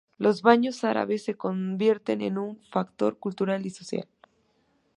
Los baños árabes se convierten en un factor cultural y social.